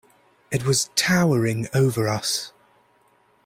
It was towering over us.